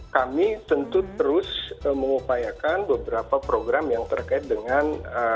kami tentu terus mengupayakan beberapa program yang terkait dengan